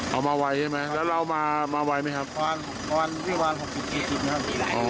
เอามาไว้ใช่ไหมแล้วเรามามาไว้มั้ยครับวารรี่วานหกสิบจูกสิบครับอ๋อ